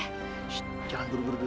shh jangan buru buru dulu